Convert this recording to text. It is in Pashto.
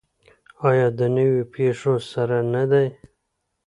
آیا د نویو پیښو سره نه دی؟